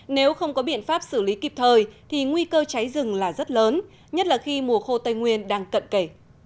nếu không có biện pháp xử lý kịp thời thì nguy cơ cháy rừng là rất lớn nhất là khi mùa khô tây nguyên đang cận kể